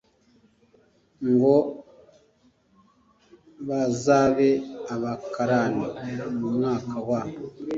ngo bazabe abakarani mu mwaka wa